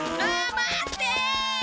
待って！